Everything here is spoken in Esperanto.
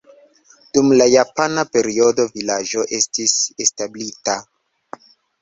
Dum la japana periodo vilaĝo estis establita.